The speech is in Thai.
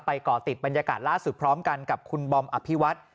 ก่อติดบรรยากาศล่าสุดพร้อมกันกับคุณบอมอภิวัฒน์